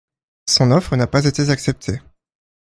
Son offre n'a pas été acceptée.